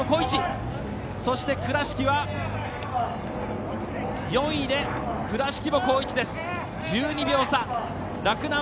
そして、倉敷は４位で倉敷も好位置。